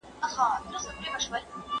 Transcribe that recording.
¬ مجبوره ته مه وايه چي غښتلې.